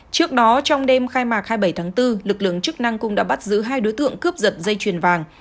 trước đó trong đêm khai mạc hai mươi bảy tháng bốn lực lượng chức năng cũng đã bắt giữ hai đối tượng cướp giật dây chuyền vàng